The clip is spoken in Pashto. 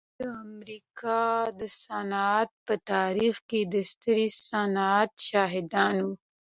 دوی د امریکا د صنعت په تاریخ کې د ستر صنعت شاهدان وو